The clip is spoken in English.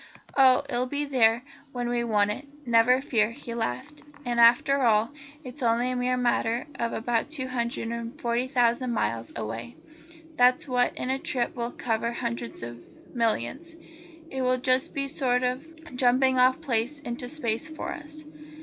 "Oh, it'll be there when we want it, never fear," he laughed, "and, after all, it's only a mere matter of about two hundred and forty thousand miles away, and what's that in a trip that will cover hundreds of millions? It will just be a sort of jumping off place into Space for us."